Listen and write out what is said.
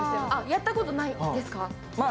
やったことないですか？